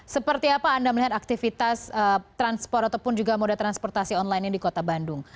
seperti apa anda melihat aktivitas transport ataupun juga moda transportasi online ini di kota bandung